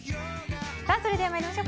それでは参りましょう。